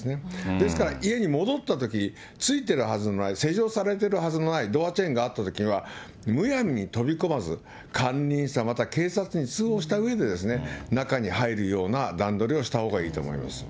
ですから家に戻ったとき、ついてるはずのない、施錠されてるはずのない、ドアチェーンがあったときには、むやみに飛び込まず、管理人さん、または警察に通報したうえで、中に入るような段取りをしたほうがいいと思います。